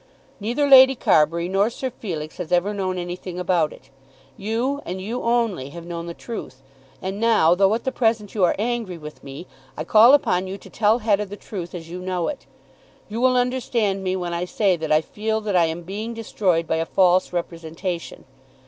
Neither Lady Carbury nor Sir Felix has ever known anything about it. You, and you only, have known the truth. And now, though at the present you are angry with me, I call upon you to tell Hetta the truth as you know it. You will understand me when I say that I feel that I am being destroyed by a false representation.